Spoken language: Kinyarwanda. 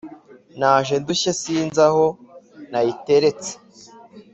Naje ndushye sinzi ahoo nayiteretsee